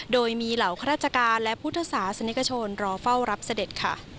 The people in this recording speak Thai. โดยมีเหล่าข้าราชการและพุทธศาสนิกชนรอเฝ้ารับเสด็จค่ะ